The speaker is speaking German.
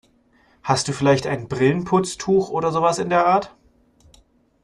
Hast du vielleicht ein Brillenputztuch oder sowas in der Art?